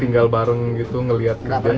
tinggal bareng gitu ngeliat kerjanya pak hatip gitu